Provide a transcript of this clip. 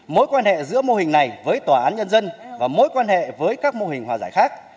mối quan hệ giữa mô hình này với tòa án nhân dân và mối quan hệ với các mô hình hòa giải khác